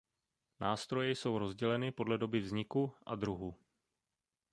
Nástroje jsou rozděleny podle doby vzniku a druhu.